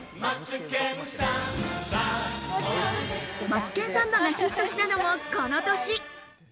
『マツケンサンバ』がヒットしたのもこの年。